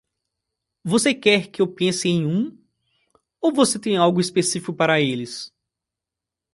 Você quer que eu pense em um ou você tem algo específico para eles?